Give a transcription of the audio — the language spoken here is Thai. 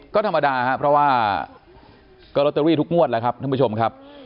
ก็ธรรมดาครับเพราะว่าก็ลอตเตอรี่ทุกงวดแล้วครับท่านผู้ชมครับ